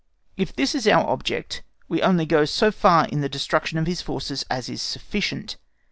If this is our object, we only go so far in the destruction of his forces as is sufficient.